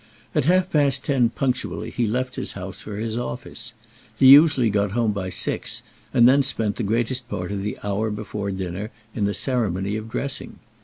At half past ten punctually he left his house for his office. He usually got home by six, and then spent the greatest part of the hour before dinner in the ceremony of dressing.